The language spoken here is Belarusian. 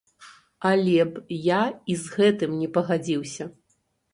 Але б я і з гэтым не пагадзіўся.